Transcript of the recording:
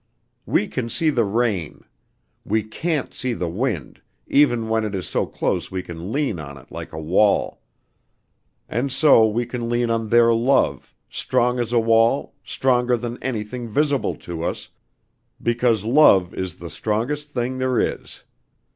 "We can see the rain. We can't see the wind, even when it is so close we can lean on it like a wall. And so we can lean on their love, strong as a wall, stronger than anything visible to us, because love is the strongest thing there is.